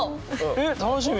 えっ楽しみ！